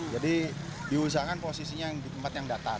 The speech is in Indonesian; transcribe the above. jadi diusahakan posisinya di tempat yang benar